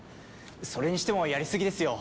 それにしてもやりすぎですよ。